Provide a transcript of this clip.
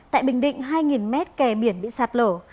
tại bình định hai mét kè biển bị sạt lở